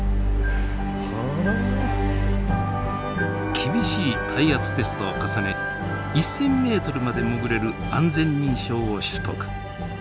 厳しい耐圧テストを重ね１，０００ｍまで潜れる安全認証を取得。